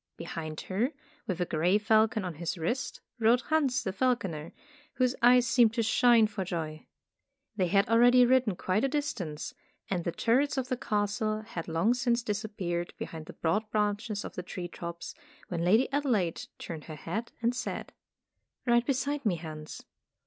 Behind her, with a gray falcon on his wrist, rode Hans the falconer, whose eyes seemed to shine for joy. They had al ready ridden quite a distance, and the turrets of the castle had long since dis appeared behind the broad branches of the tree tops, when Lady Adelaide turned her head and said : ''Ride beside me, Hans."